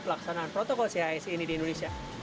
pelaksanaan protokol cic ini di indonesia